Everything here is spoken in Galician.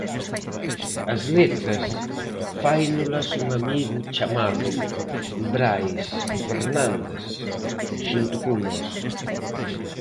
As letras fáinolas un amigo chamado Brais Fernández xunto con nós.